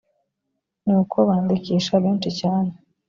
nuko bandikisha benshi cyane